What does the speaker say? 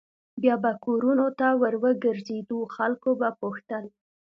بیا به کورونو ته ور وګرځېدو خلکو به پوښتل.